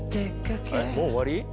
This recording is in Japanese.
あれもう終わり？